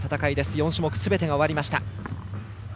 ４種目すべてが終わりました。